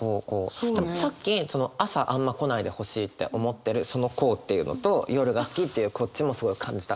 でもさっき朝あんま来ないでほしいって思ってるそのこうっていうのと夜が好きっていうこっちもすごい感じた。